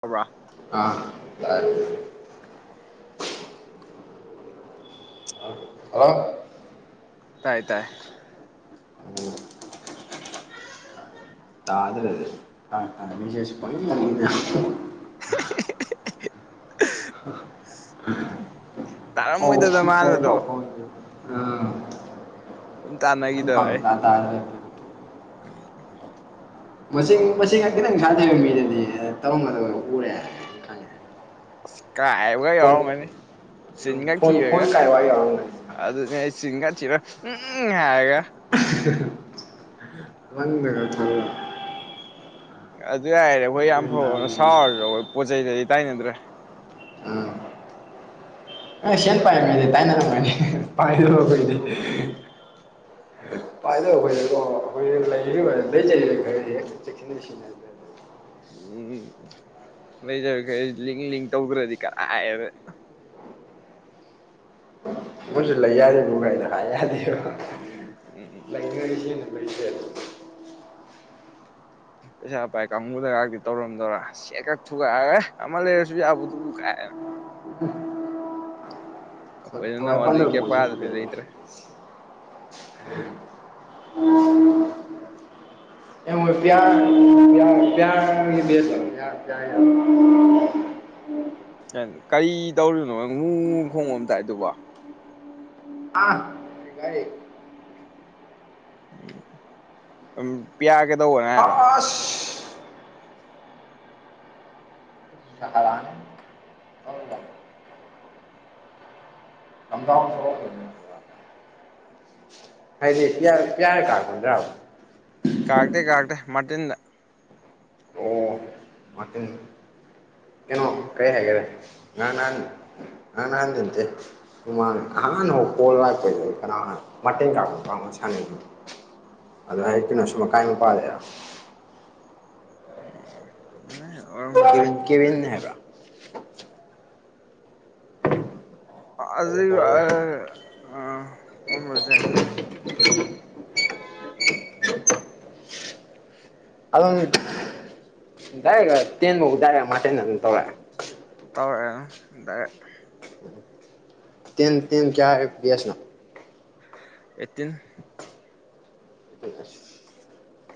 ꯈꯕ꯭ꯔꯥ ꯑꯥ ꯍꯂꯣ ꯇꯥꯏ ꯇꯥꯏ ꯇꯥ ꯑꯗꯨ ꯑꯗꯨ ꯑꯦ ꯄꯗ ꯑꯥꯎ ꯇꯥꯔꯝꯃꯣꯏꯗꯗ ꯁꯨꯔ ꯇ ꯃꯥꯅꯗꯣ ꯐ ꯁꯨꯝ ꯑꯝ ꯇꯥꯟꯅꯈꯤꯗꯕ ꯐꯥꯎ ꯑꯩ ꯇꯔ ꯃꯁꯤꯡ ꯃꯁꯤꯡ ꯈꯤꯇꯪ ꯈꯥꯗꯩꯕ ꯃꯤꯗꯗꯤ ꯇꯧꯔꯝꯒꯗꯕꯗ ꯎꯔꯦ ꯈꯪꯉꯦ ꯀ ꯐꯣꯟ ꯌꯥꯎꯎ ꯃꯅꯤ ꯁꯤꯉ ꯐꯣꯟ ꯐꯣꯟ ꯊꯒ ꯀꯥꯏ ꯋꯥꯏ ꯌꯥꯎꯔꯝꯒꯅꯤ ꯑꯗꯨ ꯑꯗꯨꯅꯦ ꯁꯤꯒꯥ ꯊꯤꯔ ꯎꯝ ꯍꯥꯏꯒ ꯪꯗꯒ ꯊ ꯑꯗꯨ ꯌꯥꯔꯦ ꯑꯩꯈꯣꯏ ꯌꯥꯝ ꯒ꯭ꯌꯥꯟ ꯐꯕꯅ ꯇꯥꯗꯦ ꯁꯥꯎꯔꯁꯨ ꯑꯩꯈꯣꯏ ꯄꯣꯠ ꯆꯩꯗꯗꯤ ꯇꯥꯏꯅꯗ꯭ꯔꯦ ꯑ ꯑ ꯁꯦꯟ ꯄꯣꯠ ꯆꯩ ꯄꯥꯏꯔꯝꯃꯦꯗꯤ ꯇꯥꯏꯅꯔꯝꯝꯕꯅꯦ ꯄꯥꯏꯔꯨꯕꯩꯗꯤ ꯄꯥꯏꯗ ꯑꯩꯈꯣꯏꯀꯣ ꯑꯩꯈꯣꯏ ꯂꯩꯔ ꯈꯔꯗꯤ ꯍ ꯆꯦꯛꯁꯤꯟꯅꯁꯤꯟꯅ ꯎꯝ ꯂꯩꯖꯔꯈ ꯂꯤꯡ ꯂ ꯇꯧꯈ꯭ꯔꯗꯤ ꯀꯔꯥꯏꯌꯦꯕ ꯃꯣꯏꯁꯨ ꯂꯩ ꯌꯥꯗꯦꯕꯨ ꯀꯩꯅ ꯍꯥꯏ ꯌꯥꯗꯦꯔꯣ ꯎꯝ ꯂꯩꯅꯉꯒꯤꯁꯤꯟꯅ ꯂꯩꯁꯦ ꯄꯩꯁꯥ ꯄꯥꯏ ꯀꯥꯡꯕꯨꯗꯒꯥꯛꯇꯤ ꯇꯧꯔꯝꯗꯧꯔꯥ ꯁꯤꯀꯥ ꯊꯨ ꯑꯃ ꯂꯩꯁꯨ ꯑꯕꯗꯨꯕꯨ ꯀꯥꯏ ꯑꯩꯈꯣꯏꯅ ꯊꯥꯏ ꯅꯪ ꯑꯗꯨꯒꯤ ꯄꯟꯔ ꯄꯨꯁꯤꯦ ꯀꯦꯄꯥꯗꯨꯗꯤ ꯔꯨꯄꯤꯅ ꯂꯩꯇ꯭ꯔꯦ ꯎ [inaudible] ꯄꯄꯌꯥꯦꯁꯄ ꯀꯔꯤ ꯇꯧꯔꯤꯅꯣ ꯉꯨ ꯈꯣꯡꯕꯝꯇꯥꯏ ꯑꯗꯨꯕ ꯑꯥ ꯀꯔꯦ ꯎꯝ ꯄꯤꯌꯥ ꯀꯗꯧꯕꯅꯦ ꯑꯁ ꯆꯀ ꯑꯗ [unintelligible] ꯍꯥꯏꯗꯤ ꯄꯤꯌꯥꯔ ꯄꯤꯌꯥꯔ ꯀꯥꯔꯛ ꯀꯥꯥꯔꯛꯇꯦ ꯀꯥꯥꯔꯛꯇꯦ ꯃꯇꯤꯟꯗ ꯑꯣ ꯎꯝ ꯀꯦ ꯍꯥꯏꯒꯔꯦ ꯅꯥ ꯅꯥꯟ ꯅꯪꯅ ꯍꯥꯟ ꯗꯦꯗꯦ [unintelligible] ꯀꯅꯥꯅꯣ ꯃꯇꯦꯡ ꯀꯥꯞ ꯀꯥꯞ ꯁꯥꯟꯅꯩ ꯑꯗꯣ ꯍꯩꯛꯇꯨꯅ ꯁꯨꯝ ꯑꯀꯥꯏ ꯄꯥꯔꯑꯦ ꯎ ꯑ ꯀꯦꯋꯤꯟ ꯀꯦꯋꯤꯟ ꯍꯥꯏꯕꯔꯥ ꯀꯧ ꯀꯧꯔꯦ [unintelligible] [unintelligible] ꯇꯧꯔꯛꯑꯦ ꯗꯥꯏꯔꯦꯛ ꯇꯦꯟ ꯇꯦꯟ ꯀꯌꯥꯒꯤ ꯕꯦꯁꯅꯣ ꯑꯦꯠꯇꯤꯟ ꯑꯁ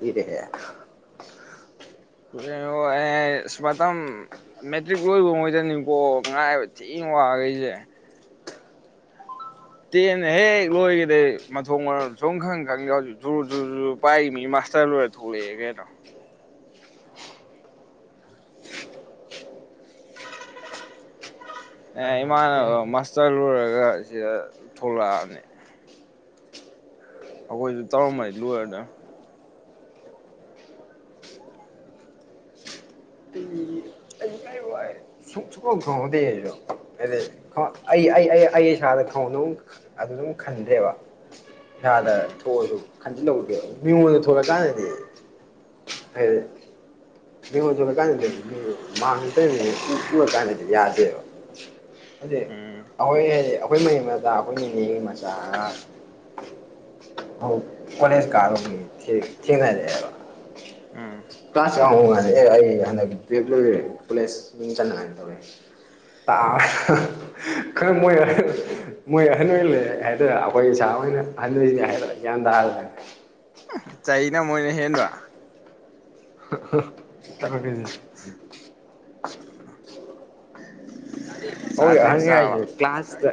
ꯂꯤꯔꯦꯍꯦ ꯏꯁ ꯃꯇꯝ ꯃꯦꯇ꯭ꯔꯤꯛ ꯂꯣꯏꯕꯉꯩꯗꯅꯤꯀꯣ ꯉꯥꯏꯕ ꯊꯤꯅ ꯋꯥꯈꯔꯤꯁꯦ ꯇꯦꯟꯅ ꯍꯦꯛ ꯂꯣꯏꯈꯤꯗꯩ ꯃꯊꯣꯡ ꯃꯔꯝ ꯁꯨꯝꯈꯪ ꯈꯪꯗꯦ ꯍꯧꯖꯤꯀ ꯖꯔꯨ ꯖꯔꯨ ꯄꯥꯏ ꯃꯤ ꯃꯥꯁꯇꯔ ꯂꯣꯏꯔ ꯊꯣꯛꯂꯛꯑꯦ ꯀꯩꯅꯣ ꯑꯦ ꯇꯦꯟ ꯏꯃꯥꯟꯅꯕ ꯃꯥꯁꯇꯔ ꯂꯣꯏꯔꯒ ꯁꯤꯗ ꯊꯣꯛꯂꯛꯑꯕꯅꯤ ꯑꯩꯈꯣꯏꯁꯨ ꯇꯔꯝꯃꯖꯤ ꯂꯣꯏꯔꯗꯧꯅꯦ ꯎꯝ ꯑꯩ ꯀꯥꯏ ꯋꯥꯏ ꯁꯪꯡꯈꯪ ꯈꯪꯍꯧꯗꯦ ꯑꯩꯁꯨ ꯍꯥꯏꯗꯤ ꯑꯩ ꯑꯩ ꯑꯩ ꯏꯁꯥꯗ ꯈꯪꯎꯗ ꯑꯗꯨ ꯗꯨꯝ ꯈꯟꯗ꯭ꯔꯦꯕ ꯏꯁꯥꯗ ꯎꯝ ꯊꯣꯛꯑꯁꯨ ꯈꯟꯖꯤꯜꯍꯧꯕ ꯃꯤꯉꯣꯟꯗ ꯊꯣꯛꯂꯀꯥꯟꯗꯗꯤ ꯃꯤꯉꯣꯟꯗ ꯊꯣꯛꯂꯛꯀꯥꯟꯗꯗꯤ ꯃꯤ ꯃꯥꯥꯡꯗ ꯇꯧꯔꯤꯅꯤ ꯎꯔ ꯀꯥꯟꯗꯗꯤ ꯌꯥꯗꯦꯕ ꯍꯥꯏꯗꯤ ꯎꯝ ꯑꯩꯈꯣꯏ ꯍꯥꯏꯗꯤ ꯑꯩꯈꯣꯏ ꯃꯌꯥꯝ ꯂꯥꯛ ꯑꯩꯈꯣꯏ ꯅꯦꯒꯤ ꯃꯆꯥ ꯑꯃ ꯍ ꯀꯣꯂꯦꯁ ꯀꯥꯔꯨꯕꯩ ꯊꯦꯡꯟ ꯔꯛꯑꯦꯕ ꯎꯝ ꯀ꯭ꯂꯥꯁ ꯌꯥꯡꯉꯥꯏꯗ ꯑꯦ ꯑꯩ ꯍꯟꯗꯛ ꯇꯨꯌꯦꯂ꯭ꯐ ꯂꯣꯏꯈ꯭ꯔꯦ ꯀꯣꯂꯦꯖ ꯃꯤꯡ ꯆꯟꯅꯉꯥꯏꯅ ꯇꯧꯋꯦ ꯇꯥ ꯈꯔ ꯃꯣꯏ ꯌꯥꯔꯦ ꯃꯣꯏ ꯑꯍꯟ ꯑꯣꯏ ꯂꯩ ꯍꯥꯏꯗꯔ ꯑꯩꯈꯣꯏ ꯏꯁꯥ ꯑꯣꯏꯅ ꯑꯍꯟꯣꯏꯅꯦ ꯍꯥꯏꯗꯣꯔꯥ ꯒ꯭ꯌꯥꯟ ꯇꯥꯗꯔꯦ ꯆꯍꯤꯅ ꯃꯣꯏꯅ ꯍꯦꯟꯕ ꯑꯗꯨꯅꯤꯅꯦ [unintelligible] ꯑꯩ ꯆꯥꯗ꯭ꯔꯤ ꯑꯍꯟꯅꯤ ꯆꯥꯕ ꯍꯥꯏꯁꯦ ꯀ꯭ꯂꯥꯁꯇ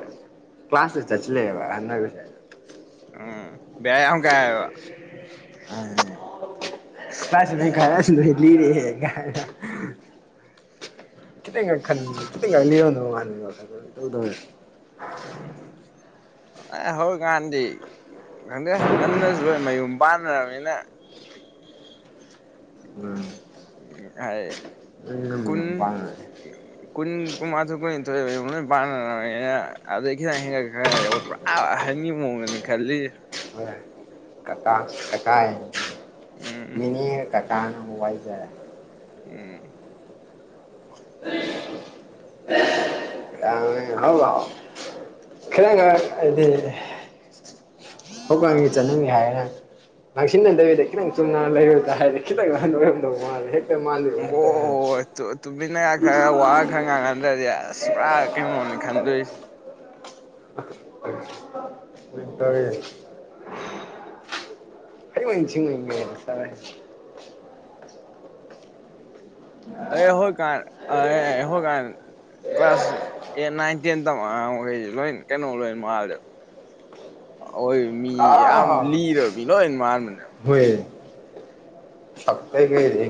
ꯀ꯭ꯂꯥꯁꯇ ꯆꯠꯁꯤꯜꯂꯛꯑꯦꯕ ꯑꯍꯟ ꯑꯣꯏꯕꯁꯦ ꯎꯝ ꯕꯦꯔꯥ ꯌꯥꯝ ꯀꯥꯏꯕ ꯑ ꯀꯂꯥꯁ ꯏꯂꯥꯕꯦꯟ ꯀꯥꯔꯒ ꯈꯔ ꯂꯤꯔꯦ ꯀꯥꯅ ꯈꯤꯇꯪꯒ ꯈꯟ [unintelligible] ꯎ ꯑꯦ ꯍꯧꯖꯤꯀꯥꯟꯗꯤ ꯈꯪꯗꯦ ꯉꯟꯅꯁꯨꯔꯣꯏ ꯃꯌꯨꯝ ꯄꯥꯟꯅꯔꯕꯅꯤꯅ ꯎꯝ ꯎꯝ ꯍꯥꯏ ꯅꯪꯅ ꯀꯟ ꯃꯌꯥꯝ ꯄꯥꯡꯉꯦ ꯀꯨꯟ ꯀꯨꯟꯃꯥꯊꯣꯏ ꯀꯨꯟꯅꯤꯊꯣꯏ ꯂꯣꯏ ꯄꯥꯟꯅꯔ ꯑꯗꯨꯗꯩ ꯈꯤꯇꯪ ꯍꯦꯟꯒꯠꯒ ꯈꯔ ꯈꯔꯒꯠꯄ꯭ꯔꯥ ꯑꯥ ꯑꯍꯟꯒꯤ ꯃꯑꯣꯡꯗꯅꯤ ꯈꯜꯂꯤ ꯑ ꯀꯀꯥ ꯀꯀꯥꯏ ꯎꯝ ꯃꯤꯅꯤ ꯀꯀꯥ ꯎ ꯋꯥꯏꯖ ꯎꯝ [unintelligible] ꯑ ꯍ ꯀꯩꯅꯉ ꯑꯗꯨꯗꯤ ꯍꯧꯛꯀꯒꯤ ꯆꯠꯅꯝꯒꯦ ꯍꯥꯏꯒ ꯉꯛꯁꯤꯟꯅ ꯅꯗꯕꯤꯗ ꯈꯤꯇꯪ ꯆꯨꯝꯅ ꯂꯩꯔꯣꯏꯗ ꯍꯥꯏꯗꯤ ꯈꯤꯪꯍꯥꯟ ꯑꯣꯏꯔꯝꯗꯧ ꯃꯥꯜꯂꯦ ꯍꯦꯛ ꯑꯣ ꯇꯨꯅꯦ ꯈꯔ ꯋꯥ ꯈꯪꯉ ꯉꯗꯗꯤ ꯑ ꯄꯨꯔꯥ ꯀꯩꯅꯣꯅꯤ ꯈꯟꯗꯣꯏꯁꯦ ꯃꯤ ꯇꯔꯦ ꯀꯔꯤ ꯃꯁꯤ ꯃ ꯇꯥꯏ ꯑꯦ ꯍꯣꯏ ꯀꯥꯟ ꯍꯣꯏ ꯀꯥꯟ ꯀ꯭ꯂꯥꯁ ꯑꯦꯠ ꯅꯥꯏꯟ ꯇꯦꯟ ꯇ ꯃꯈꯈꯩ ꯂꯣꯏ ꯀꯩꯅꯣ ꯂꯣꯏꯅ ꯃꯥꯜꯗꯦꯕ ꯍꯣꯏ ꯃꯤ ꯌꯥꯝ ꯂꯤꯔꯕꯅꯤ ꯅꯣꯏ ꯃꯥꯟꯕꯅꯦ ꯍꯌꯦ ꯐꯥꯛꯇꯦ ꯀꯦ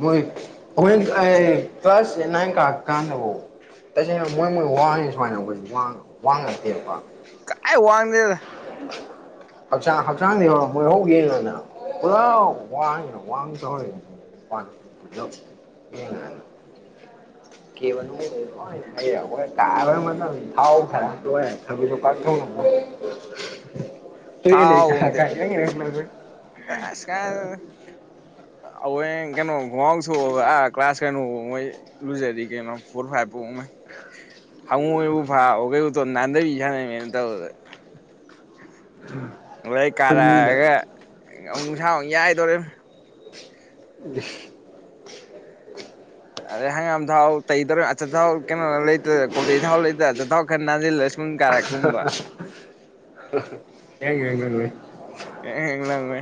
ꯃꯣꯏꯣꯏ ꯀ꯭ꯂ꯭ꯂꯁ ꯀꯥ ꯀꯥꯟꯅꯕ ꯇꯁꯦꯡꯅ ꯃꯣꯏ ꯃꯣꯏ ꯋꯥꯡꯉ ꯁꯨꯃꯥꯏꯅ ꯑꯩꯈꯣꯏ ꯋꯥꯉꯠꯇꯦꯕꯀꯣ ꯀꯥꯏ ꯋꯥꯡꯗꯦꯗ ꯍꯛꯆꯥꯡ ꯍꯛꯆꯥꯡꯅꯤ ꯃꯣꯏ ꯍꯧ ꯌꯦꯉꯣꯅꯦ ꯄꯨꯔꯥ ꯋꯥꯅ ꯋꯥꯡꯊ ꯀ ꯋꯥ ꯣꯏ ꯇꯔ ꯃ ꯊꯥꯎ ꯈꯔ ꯊꯔ ꯀꯥꯊꯧ ꯊꯥꯎ ꯍꯟꯗ ꯏꯔꯪ ꯂꯪꯉꯣꯏ ꯑꯁ ꯀꯥꯏ ꯑ ꯀꯩꯅꯣ ꯎꯁ ꯥ ꯀ꯭ꯂꯥꯁ ꯀꯩꯅꯣ ꯐꯥꯎ ꯃꯩ ꯂꯨꯖꯔꯤ ꯀꯩꯅꯣ ꯐꯣꯔ ꯐꯥꯏꯚ ꯐꯥꯎꯉꯩ ꯍꯥꯎ ꯍꯨ ꯏ ꯐꯥꯎ ꯀ ꯅꯅꯥꯗꯕꯤ ꯌꯥ ꯃ ꯇꯧ ꯎꯝ ꯅꯣꯔꯣꯏ ꯀꯥꯂꯛꯑꯒꯛ ꯅꯨꯡꯁꯥꯐꯨ ꯌꯥꯏꯗꯧꯣꯔꯦ ꯁ ꯑꯔꯦ ꯍꯪꯒꯥꯝ ꯊꯥꯎ ꯇꯩꯗꯧꯔ ꯑꯆꯥꯊꯥꯎ ꯀꯩꯅꯣ ꯂꯩꯇ꯭ꯔ ꯀꯣꯆꯩ ꯊꯥꯎ ꯂꯩꯇ꯭ꯔ ꯑꯆꯥꯊꯥꯎ ꯈꯔ ꯅꯥꯁꯤꯜꯂꯁꯤ ꯌꯦꯡ ꯌꯦꯉ ꯂꯩ ꯑꯦꯃꯦ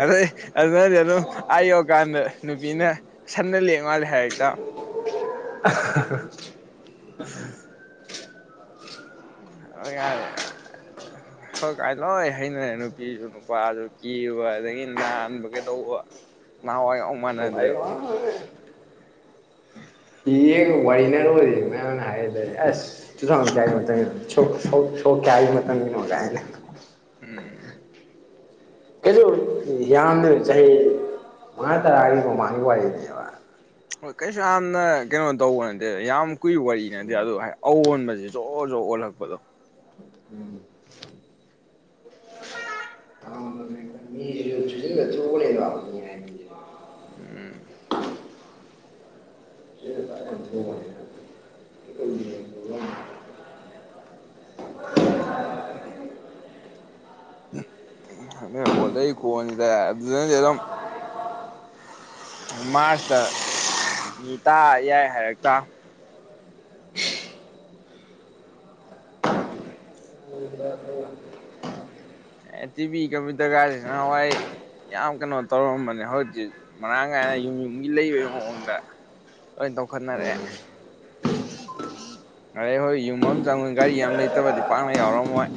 ꯑ ꯑꯗꯨꯅꯗꯤ ꯑꯗꯨꯝ ꯑ ꯌꯧꯀꯥꯟꯗ ꯅꯨꯄꯤꯅ ꯁꯟꯅ ꯂꯦꯛ ꯃꯥꯜꯂꯦ ꯍꯥꯏꯔꯦꯛꯇ [inaudible] ꯌꯥꯔꯦ ꯈꯔ ꯀꯥꯏ ꯂꯣꯏ ꯍꯩꯅꯔꯦ ꯅꯨꯄꯤꯁꯨ ꯅꯨꯄꯥꯁꯨ ꯀꯤꯕ ꯑꯗꯒꯤ ꯅꯥꯟꯕ ꯀꯩꯗꯧꯕ ꯅꯅꯥ ꯃꯅꯤꯗ꯭ꯦ ꯌꯦꯡ ꯋꯥꯔꯤꯅꯔꯨꯔꯤ ꯃꯌꯥꯝꯅ ꯍꯥꯏꯔꯗꯗꯤ ꯑꯁ ꯇꯨ ꯊꯥꯎꯖꯟ ꯀꯌꯥꯒꯤ ꯃꯇꯨꯡꯗ ꯁ ꯁꯣ ꯁꯣ ꯀꯌꯥꯒꯤ ꯃꯇꯝꯅꯤ ꯏꯅꯣ ꯑꯣꯖ ꯍꯥꯏꯅ ꯎꯝ ꯀꯩꯁꯨ ꯌꯥꯝꯗ꯭ꯔꯕ ꯆꯍꯤ ꯃꯉꯥ ꯇꯔꯥꯒꯤ ꯃꯃꯥꯡꯒꯤ ꯋꯥꯔꯤꯅꯦꯕ ꯍꯣꯏ ꯀꯩꯁꯨ ꯌꯥꯝꯅ ꯀꯩꯅꯣ ꯇꯧꯕ ꯅꯠꯇꯦ ꯌꯥꯝ ꯀꯨꯏ ꯋꯥꯔꯤ ꯅꯠꯇꯦ ꯑꯗꯣ ꯑꯑꯣꯟꯕꯁꯦ ꯖꯣꯔ ꯖꯣ ꯑꯣꯜꯂꯛꯄꯗꯣ ꯎꯝ ꯃꯤ ꯎꯝ ꯆꯨꯁꯤꯟꯕ ꯐꯖꯅ ꯊꯨꯕꯅꯦꯕ ꯎ ꯑ ꯑꯣꯗ ꯀꯅꯤꯗ ꯑꯗꯨ ꯃꯥꯔꯁꯇ ꯇꯥ ꯌꯥꯏ ꯍꯥꯏꯔꯛꯇ [inaudible] ꯑꯦꯠꯇ ꯀꯃꯤꯗꯔꯒꯒꯥꯔꯦꯅ ꯍꯋꯥꯏ ꯌꯥꯝ ꯀꯩꯅꯣ ꯇꯧꯔꯝꯕꯅꯦ ꯍꯧꯖꯤꯛꯛꯇꯛ ꯃꯔꯥꯡ ꯀꯥꯏꯅ ꯌꯨꯝ ꯌꯨꯝꯒꯤ ꯂꯩꯕꯩ ꯃꯑꯣꯡꯗ ꯂꯣꯏ ꯇꯧꯈꯠꯅꯔꯛꯑꯦ ꯑꯔꯦ ꯍꯣꯏ ꯌꯨꯝ ꯑꯃ ꯆꯪꯉ ꯒꯥꯔꯤ ꯑꯃ ꯂꯩꯇꯕꯗꯤ ꯄꯥꯛꯅ ꯌꯥꯎꯔꯝꯃꯣꯏ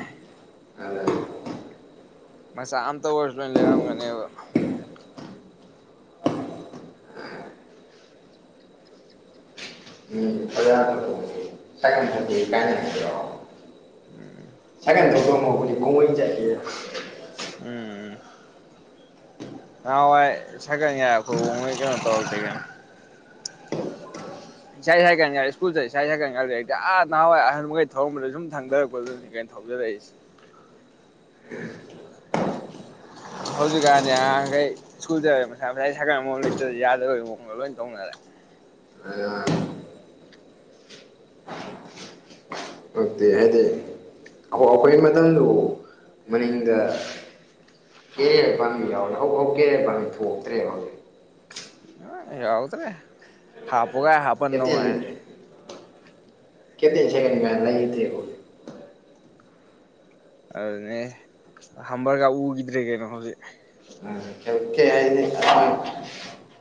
ꯑꯗ ꯃꯆꯥ ꯑꯝꯇ ꯑꯣꯏꯔꯁꯨ ꯂꯣꯏ ꯂꯩꯔꯒꯅꯤꯕ ꯎꯝ ꯐꯖꯥ꯭ꯔ ꯊꯣꯛꯑꯨꯁꯤ ꯁꯥꯏꯀꯜ ꯊꯣꯛꯁꯤ ꯇꯥꯟꯅꯔꯛꯀꯦꯔꯣ ꯎꯝ ꯁꯥꯏꯀꯜ ꯊꯧꯗꯧ ꯃꯍꯨꯠꯇꯤ ꯈꯣꯡꯅ ꯑꯣꯏꯅ ꯆꯠꯂꯁ ꯎꯝ ꯎꯝ꯬꯬꯬ ꯅꯍꯥꯟꯋꯥꯏ ꯁꯥꯏꯀꯜ ꯒꯥꯏ ꯑꯩꯈꯣꯏꯍꯣꯡꯃꯩ ꯀꯩꯅꯣ ꯇꯧꯔꯛꯇꯦ ꯀꯩꯅꯣ ꯏꯁꯥꯏ ꯁꯥꯏꯛꯜ ꯒꯥꯏ ꯁꯀꯨꯜꯗ ꯏꯁꯥꯏ ꯁꯥꯏꯛꯜ ꯒꯥ ꯂꯩꯔꯛꯇꯦ ꯑꯥ ꯅꯍꯥꯟꯋꯥꯏ ꯑꯍꯟꯃꯈꯩ ꯊꯔꯝꯕꯗꯨ ꯁꯨꯝ ꯊꯥꯡꯊꯔꯛꯄꯗꯨꯅꯤ ꯀꯩꯅꯣ ꯊꯧ ꯍꯧꯖꯗꯁ ꯎꯝ ꯍꯧꯖꯤꯛꯀꯥꯟꯁꯦ ꯑꯉꯥꯡ ꯃꯈꯩ ꯁ꯭ꯀꯨꯜꯗ ꯃꯁꯥ ꯃꯁꯥꯒꯤ ꯁꯥꯏꯀꯜ ꯑꯃꯥꯃꯨꯝ ꯂꯩꯇꯔ꯭ꯗꯤ ꯌꯥꯗꯕ ꯃꯑꯣꯡꯗ ꯂꯣꯏꯅ ꯇꯧꯅꯔꯦ ꯑꯗꯨꯅ ꯇꯧꯔ꯭ꯛꯇꯦ ꯍꯥꯏꯗꯤ ꯑꯩꯈꯣꯏ ꯃꯇꯝꯗꯨꯐꯥꯎ ꯃꯅꯤꯡꯗ ꯀꯔꯤꯔ ꯄꯟꯕꯤ ꯌꯥꯑꯣꯔꯤꯕꯅꯦ ꯀꯥꯔꯤꯔ ꯄꯥꯟꯕꯤ ꯊꯣꯛꯇ꯭ꯔꯦꯕ ꯍꯧꯖꯤꯛ꯫ ꯍꯥ ꯌꯥꯎꯗ꯭ꯔꯦ ꯍꯥꯄꯣꯒ ꯍꯥꯄꯟꯗꯧ ꯉꯥꯏꯔꯦ ꯀꯞꯇꯦꯏꯟ ꯁꯦꯡꯍꯟꯅꯤꯡꯉꯥꯏ ꯂꯩꯇꯔ꯭ꯦꯀꯣ ꯑꯗꯨꯅꯦ ꯍꯝꯕꯔꯒ ꯎꯈꯤꯗ꯭ꯔꯦ ꯀꯩꯅꯣ ꯍꯧꯖꯤꯛ ꯑ ꯍꯦꯟꯀꯦ ꯍꯥꯏꯗꯤ ꯑ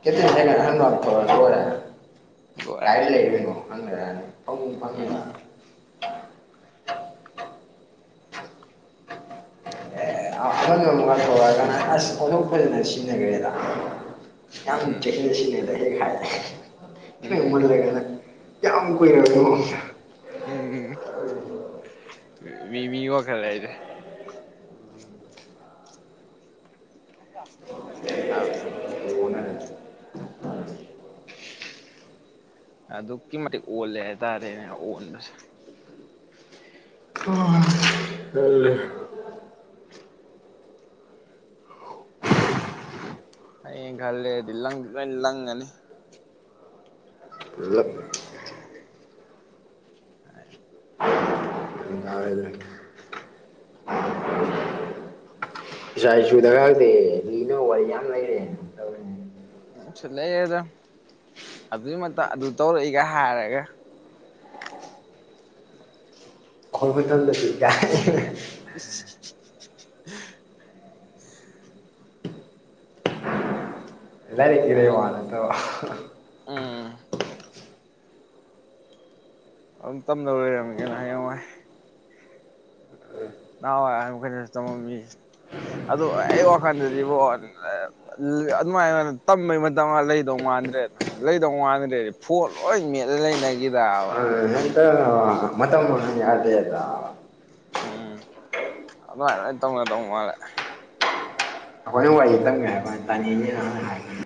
ꯀꯦꯛꯇꯦꯟ ꯁꯥꯏꯛꯜ ꯑꯍꯟꯕꯥ ꯑꯃꯥ ꯊꯧꯔꯗꯤ ꯂꯣꯏꯔꯦ ꯂꯣꯏꯔꯦ ꯀꯥꯏꯗꯩꯩ ꯂꯩꯔꯨꯏꯅꯣ ꯍꯪꯅꯔꯛꯑꯅꯤ꯫ ꯍꯦꯖꯤꯛꯐꯥꯎ ꯎꯝ ꯐꯪꯉꯤꯕꯥ ꯎꯝ ꯑꯩ ꯑꯃꯟꯕ ꯑꯃꯒꯥ ꯊꯧꯔꯛꯀꯥꯟ ꯑꯁ ꯑꯣꯟꯊꯣꯛ ꯐꯖꯅꯥ ꯁꯤꯖꯤꯅꯒꯔ꯭ꯦꯗ ꯌꯥꯝ ꯎꯝ ꯎꯝ ꯆꯦꯛꯁꯤꯟꯅ ꯁꯤꯖꯤꯟꯅꯒꯔꯦ ꯍꯦꯛ ꯍꯥꯏ ꯎꯝ ꯈꯤꯇꯪ ꯎꯝ ꯎꯝ ꯃꯟꯂꯒꯅꯥ ꯌꯥꯝ ꯀꯨꯏꯔꯕꯩ ꯃꯑꯣꯡꯗ ꯎꯝ ꯃꯤ ꯃꯤ ꯋꯥꯈꯜ ꯂꯩꯔꯦ ꯒꯌ꯭ꯥꯟ ꯇꯕꯥꯖꯠ ꯅꯠꯇꯦ ꯑꯗꯨ ꯑꯣꯟꯅꯔꯦ ꯑꯗꯨꯛꯀꯤ ꯃꯇꯤꯛ ꯑꯣꯜꯂꯦ ꯍꯥꯏꯇꯥꯔꯦꯅꯦ ꯑꯥꯑꯣꯟꯕꯁꯦ ꯑꯣ ꯇꯜꯂꯦ ꯍꯌꯦꯡ ꯈꯔ ꯂꯩꯔꯗꯤ ꯂꯪ ꯂꯣꯏ ꯂꯪꯉꯅꯤ ꯂꯨꯀ ꯗꯥꯏꯂꯨꯛ ꯑꯩꯁꯨ ꯗꯥꯀꯗꯦ ꯂꯤꯅꯕꯥ ꯋ꯭ꯔꯤ ꯌꯥꯝ ꯂꯩꯔꯦꯅꯦ ꯇꯧꯔꯤꯁꯤ꯫ ꯁꯨꯏꯠꯂꯩꯔꯗꯥ ꯑꯗꯨꯏ ꯃꯇꯥꯡ ꯑꯗꯨ ꯇꯧꯔꯛꯏꯒ ꯍꯥꯏꯔꯒ ꯑꯩꯈꯣꯌ ꯃꯇꯝꯗꯗꯤ ꯒꯥꯏꯅ ꯏꯁꯁꯤ ꯁꯤ ꯂꯥꯏꯔꯤꯀꯀꯤꯗꯩꯩ ꯋꯥ ꯑꯗꯨꯝ ꯅꯠꯇꯕ ꯎꯝ ꯑꯗꯨꯝ ꯇꯝꯗꯧ ꯂꯩꯔ꯭ꯃꯤ ꯀꯩꯅꯣ ꯍꯌꯦꯡꯋꯥꯏ ꯅꯍꯥꯟꯋꯥꯏ ꯑꯍꯟꯃꯥꯈꯩꯅꯁꯨ ꯇꯃꯥꯝꯃꯤꯁꯦ ꯑꯗꯨ ꯑꯩ ꯋꯥꯈꯜꯗꯗꯤꯕꯣ ꯑꯗꯨ ꯑꯗꯨꯃꯥꯏꯅꯅ ꯇꯝꯕꯩ ꯃꯇꯝꯒꯥ ꯂꯩꯗꯧ ꯃꯥꯟꯗ꯭ꯔꯦꯗꯅ ꯂꯩꯗꯧ ꯃꯥꯥꯟꯗ꯭ꯔꯦꯗꯤ ꯐꯣꯠ ꯂꯣꯏ ꯃꯦꯠꯂ ꯂꯩꯅꯈꯤꯗꯕ ꯂꯩꯏꯔ꯭ꯦꯅꯕ ꯃꯥꯇꯝ ꯃꯥꯡꯍꯨꯟ ꯌꯗꯦꯗ ꯎꯝ ꯑꯗꯨꯃꯥꯏ ꯂꯣꯏ ꯇꯧꯅꯗꯧ ꯃꯥꯜꯂꯦ ꯅꯪ ꯋꯥꯔꯤ ꯇꯨꯝꯒꯦ ꯍꯥꯏꯕꯥꯀꯟꯗ ꯇꯥꯅꯤꯡꯉꯅꯤꯅ ꯍꯥꯟꯅ ꯍꯥꯏꯒꯔꯦ